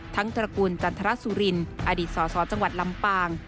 ตระกูลจันทรสุรินอดีตสสจังหวัดลำปาง